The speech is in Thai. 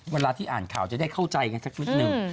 เวลาที่อ่านข่าวจะได้เข้าใจกันสักนิดนึง